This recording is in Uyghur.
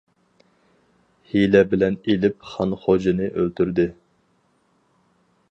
ھىيلە بىلەن ئېلىپ خان خوجىنى ئۆلتۈردى.